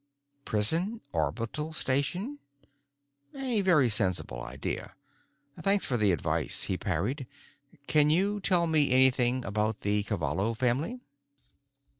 Prison orbital station? A very sensible idea. "Thanks for the advice," he parried. "Can you tell me anything about the Cavallo family?"